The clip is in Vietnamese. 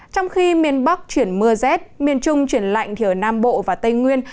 trong khi miền bắc chuyển mưa rét miền trung chuyển lạnh thì ở nam bộ và tây nguyên